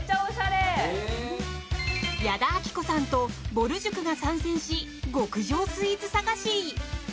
矢田亜希子さんとぼる塾が参戦し極上スイーツ探し！